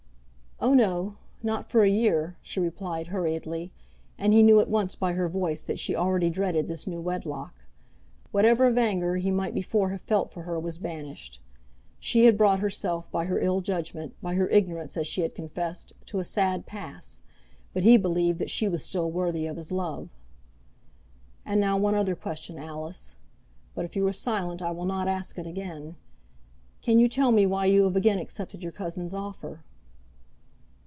"Oh, no; not for a year," she replied hurriedly; and he knew at once by her voice that she already dreaded this new wedlock. Whatever of anger he might before have felt for her was banished. She had brought herself by her ill judgement, by her ignorance, as she had confessed, to a sad pass; but he believed that she was still worthy of his love. "And now one other question, Alice; but if you are silent, I will not ask it again. Can you tell me why you have again accepted your cousin's offer?"